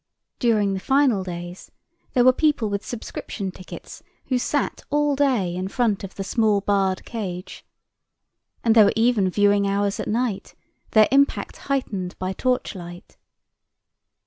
During the final days there were people with subscription tickets who sat all day in front of the small barred cage. And there were even viewing hours at night, their impact heightened by torchlight.